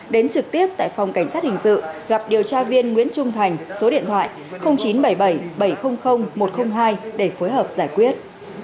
đến trực tiếp tại phòng cảnh sát hình sự gặp điều tra viên nguyễn trung thành số điện thoại chín trăm bảy mươi bảy bảy trăm linh một trăm linh hai để phối hợp giải quyết